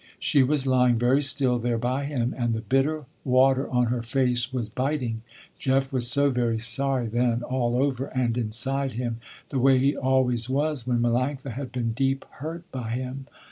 She was lying very still there by him, and the bitter water on her face was biting. Jeff was so very sorry then, all over and inside him, the way he always was when Melanctha had been deep hurt by him.